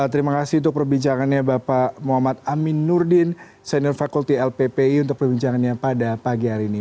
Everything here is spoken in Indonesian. terima kasih untuk perbincangannya bapak muhammad amin nurdin senior fakulti lppi untuk perbincangannya pada pagi hari ini